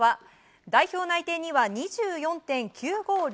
代表内定には２４．９５０